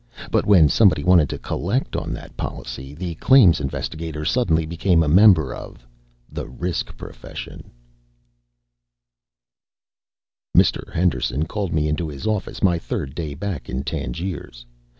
But when somebody wanted to collect on that policy, the claims investigator suddenly became a member of ..._ The RISK PROFESSION By DONALD E. WESTLAKE Mister Henderson called me into his office my third day back in Tangiers.